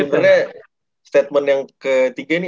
tapi sebenarnya statement yang ketiga ini